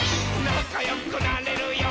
なかよくなれるよ。